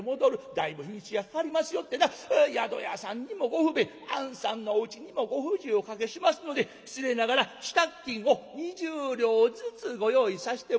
だいぶ日にちがかかりますよってな宿屋さんにもご不便あんさんのおうちにもご不自由をおかけしますので失礼ながら支度金を２０両ずつご用意さしてもらいます。